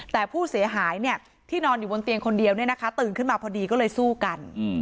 แต่ผู้เสียหายที่นอนอยู่บนเตียงคนเดียวตื่นขึ้นมาพอดีก็เลยสู้กัน